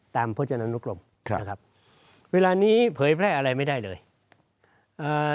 พจนานุกรมครับนะครับเวลานี้เผยแพร่อะไรไม่ได้เลยอ่า